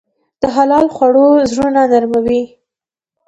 د حلال خوړو زړونه نرموي.